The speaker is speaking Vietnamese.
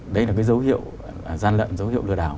đây là cái dấu hiệu gian lận dấu hiệu lừa đảo